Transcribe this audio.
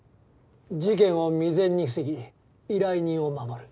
事件を未然に防ぎ依頼人を守る。